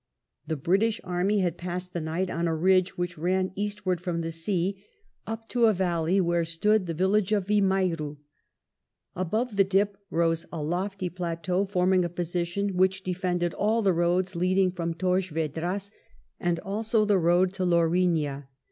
The British army had passed the night on a ridge which ran eastward from the sea up to a valley, where stood the village of Vimiero. Above the dip rose a lofty plateau, forming a position which defended all the roads leading from Torres Vedras, and alSo the road to Lourinha.